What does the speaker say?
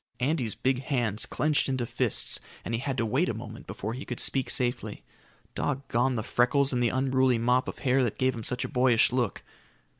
Andy's big hands clenched into fists and he had to wait a moment before he could speak safely. Doggone the freckles and the unruly mop of hair that give him such a boyish look.